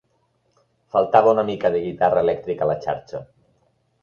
Faltava una mica de guitarra elèctrica a la xarxa.